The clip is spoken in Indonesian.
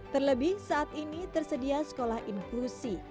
terlebih saat ini tersedia sekolah inklusi